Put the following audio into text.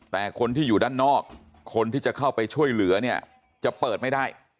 แต่คนที่อยู่ด้านนอกคนที่จะเข้าไปช่วยเหลือเนี่ยจะเปิดไม่ได้